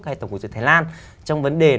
hay tổng cục du lịch thái lan trong vấn đề